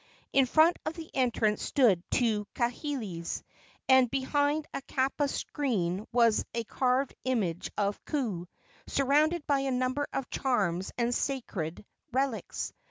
In front of the entrance stood two kahilis, and behind a kapa screen was a carved image of Ku, surrounded by a number of charms and sacred relics.